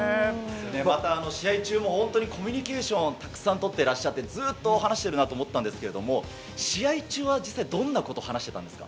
また試合中も本当にコミュニケーションたくさん取ってらっしゃって、ずっと話してるなと思ったんですけど、試合中は実際、どんなこと話してたんですか？